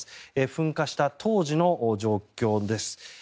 噴火した当時の状況です。